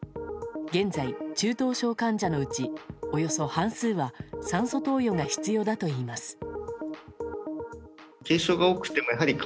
現在、中等症患者のうちおよそ半数は酸素投与が必要だといいます。